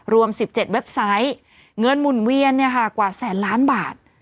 รวม๑๗เว็บไซต์เงินหมุนเวียนกว่าแสนล้านบาท